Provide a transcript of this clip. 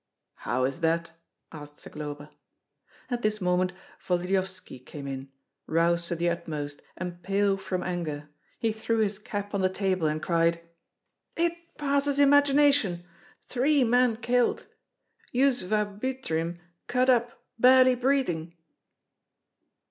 "How is that?" asked Zagloba. At this moment Volodyovski came in, roused to the utmost, and pale from anger; he threw his cap on the table and cried, "It passes imagination! Three men killed; Yuzva Butrym cut up, barely breathing!"